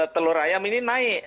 telur ayam ini naik